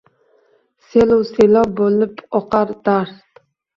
Sel-u selob boʼlib oqar dard.